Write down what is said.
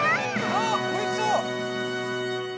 あっおいしそう！